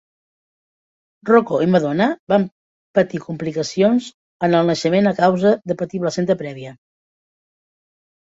Rocco i Madonna van patir complicacions en el naixement a causa de patir placenta prèvia.